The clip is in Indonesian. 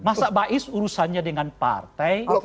masa bais urusannya dengan partai